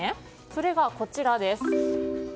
それが、こちらです。